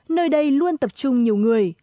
nơi đây luôn tập trung nhiều người